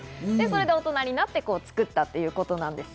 大人になって作ったということです。